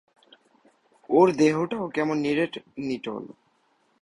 ওর দেহটাও কেমন নিরেট নিটোল।